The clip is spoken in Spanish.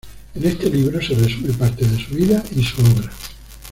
En este libro se resume parte de su vida y su obra.